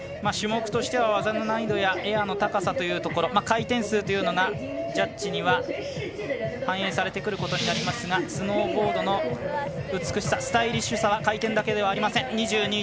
種目としては技の難易度やエアの高さ回転数というのがジャッジには反映されてくることになりますがスノーボードの美しさスタイリッシュさは回転だけではありません。